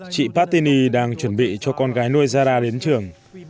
chị patini đang chuẩn bị cho con gái nuôi zara đến trường